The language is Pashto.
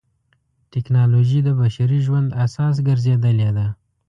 ټکنالوجي د بشري ژوند اساس ګرځېدلې ده.